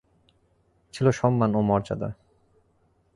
ছিল সম্মান ও মর্যাদা।